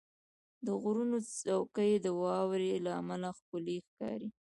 • د غرونو څوکې د واورې له امله ښکلي ښکاري.